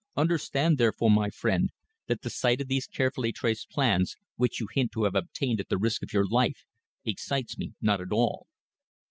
Understand, therefore, my friend, that the sight of these carefully traced plans, which you hint to have obtained at the risk of your life, excites me not at all."